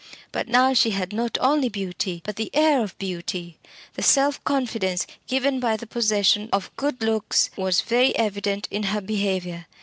But now she had not only beauty, but the air of beauty. The self confidence given by the possession of good looks was very evident in her behaviour.